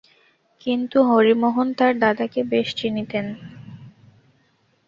কিন্তু হরিমোহন তাঁর দাদাকে বেশ চিনিতেন।